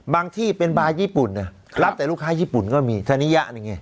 บางที่เป็นบาร์ญี่ปุ่นน่ะครับรับแต่ลูกค้าญี่ปุ่นก็มีธนิยะนี่ไง